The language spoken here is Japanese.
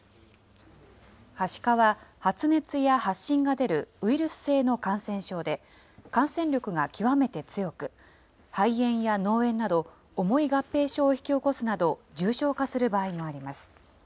はしかは、発熱や発疹が出るウイルス性の感染症で、感染力が極めて強く、肺炎や脳炎など、重い合併症を引き起こすなど重症化する場合もあります。